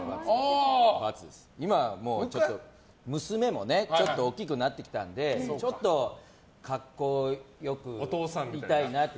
今は娘も大きくなってきたのでちょっと格好よくいたいなって。